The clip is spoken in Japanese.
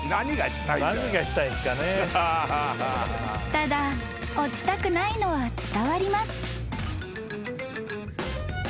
［ただ落ちたくないのは伝わります］